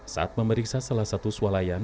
saat memeriksa salah satu sualayan